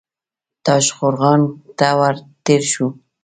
تاشقرغان ته ور تېر شو.